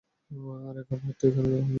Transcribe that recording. আরে খাবার তো এখানে দেওয়া হয় না।